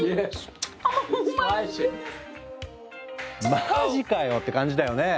マジかよ！って感じだよね。